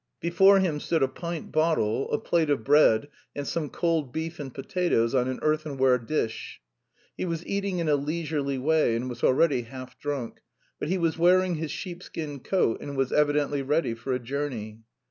Before him stood a pint bottle, a plate of bread, and some cold beef and potatoes on an earthenware dish. He was eating in a leisurely way and was already half drunk, but he was wearing his sheep skin coat and was evidently ready for a journey.